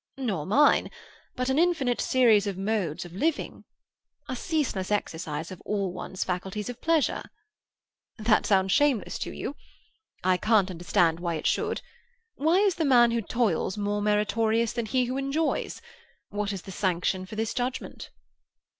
"Nor mine. But an infinite series of modes of living. A ceaseless exercise of all one's faculties of pleasure. That sounds shameless to you? I can't understand why it should. Why is the man who toils more meritorious than he who enjoys? What is the sanction for this judgment?"